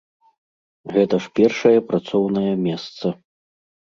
Гэта ж першае працоўнае месца.